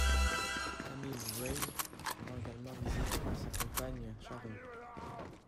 Camile Wray rend également visite à sa compagne Sharon.